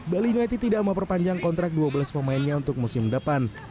bali united tidak memperpanjang kontrak dua belas pemainnya untuk musim depan